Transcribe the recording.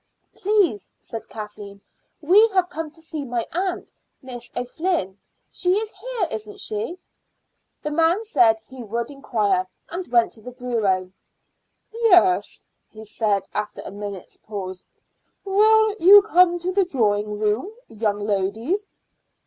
"Please," said Kathleen, "we have come to see my aunt, Miss O'Flynn. She is here, isn't she?" The man said he would inquire, and went to the bureau. "Yes," he said after a minute's pause. "Will you come to the drawing room, young ladies?"